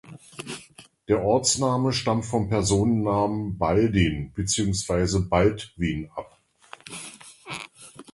Der Ortsname stammt vom Personenname "Baldin" beziehungsweise "Baldwin" ab.